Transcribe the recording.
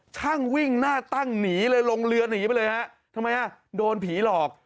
ช่างวิ่งหน้าตั้งหนีเลยลงเรือหนีไปเลยฮะทำไมฮะโดนผีหลอก